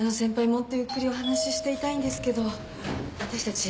もっとゆっくりお話ししていたいんですけど私たち